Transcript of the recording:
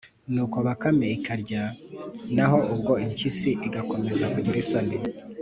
nuko bakame ikarya, naho ubwo impyisi igakomeza kugira isoni,